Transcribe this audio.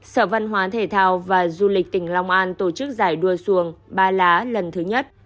sở văn hóa thể thao và du lịch tỉnh long an tổ chức giải đua xuồng ba lá lần thứ nhất